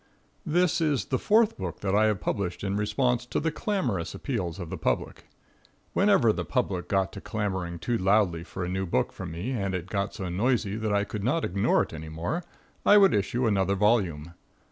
This is the fourth book that I have published in response to the clamorous appeals of the public. Whenever the public got to clamoring too loudly for a new book from me and it got so noisy that I could not ignore it any more, I would issue another volume.